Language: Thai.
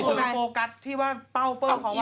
โกรธโปรกัสที่ว่าเป้าเปิ้ลเขาวะ